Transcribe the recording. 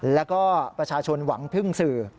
แล้วก็ประชาชนหวังพึ่งสื่อ